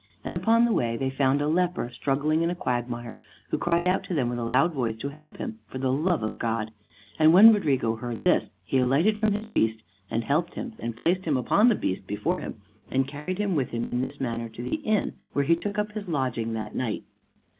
And upon the way they found a leper, struggling in a quagmire, who cried out to them with a loud voice to help him for the love of God; and when Rodrigo heard this, he alighted from his beast and helped him, and placed him upon the beast before him, and carried him with him in this manner to the inn where he took up his lodging that night.